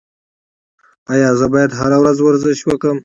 ایا زه باید هره ورځ ورزش وکړم؟